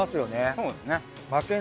そうですね。